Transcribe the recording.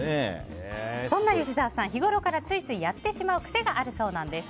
そんな吉沢さん、日ごろからついついやってしまう癖があるそうです。